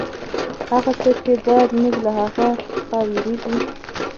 هغه څه چې باید موږ له هغه څخه وېرېږو.